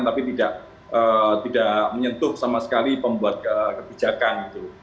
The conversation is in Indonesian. tapi tidak menyentuh sama sekali pembuat kebijakan